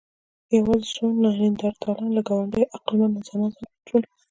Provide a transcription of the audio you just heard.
یواځې څو نیاندرتالان له ګاونډيو عقلمنو انسانانو سره ګډ شول.